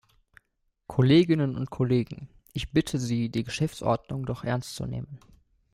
Kolleginnen und Kollegen, ich bitte Sie, die Geschäftsordnung doch ernst zu nehmen!